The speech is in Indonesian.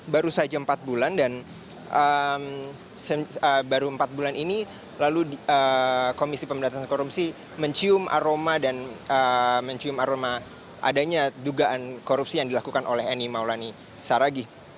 baru saja empat bulan dan baru empat bulan ini lalu komisi pemberantasan korupsi mencium aroma dan mencium aroma adanya dugaan korupsi yang dilakukan oleh eni maulani saragih